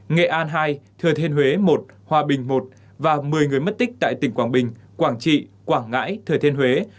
nghệ an hai thừa thiên huế một hòa bình i và một mươi người mất tích tại tỉnh quảng bình quảng trị quảng ngãi thừa thiên huế